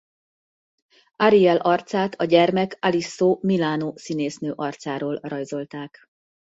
Ariel arcát a gyermek Alyssa Milano színésznő arcáról rajzolták.